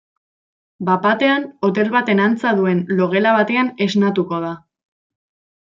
Bat-batean hotel baten antza duen logela batean esnatuko da.